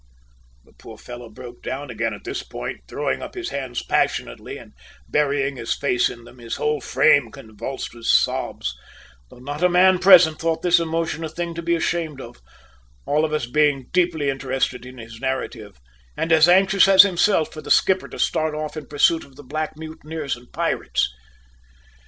The poor fellow broke down again at this point throwing up his hands passionately and burying his face in them, his whole frame convulsed with sobs, though not a man present thought his emotion a thing to be ashamed of, all of us being deeply interested in his narrative, and as anxious as himself for the skipper to start off in pursuit of the black mutineers and pirates.